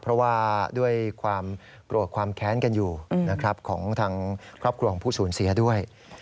เพราะว่าด้วยความกลัวความแค้นกันอยู่ของครอบครัวของผู้สูญเสียด้วย